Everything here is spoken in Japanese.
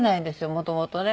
もともとね。